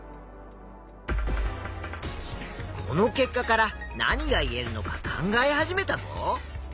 この結果から何がいえるのか考え始めたぞ。